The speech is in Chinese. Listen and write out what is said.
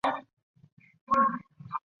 配以米饭等主食的火锅。